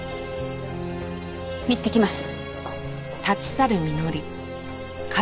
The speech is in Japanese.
いってきます。